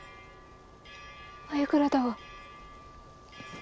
繭倉だわ。